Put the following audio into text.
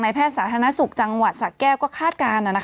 แพทย์สาธารณสุขจังหวัดสะแก้วก็คาดการณ์